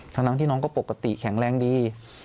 ทั้งที่น้องก็ปกติแข็งแรงดี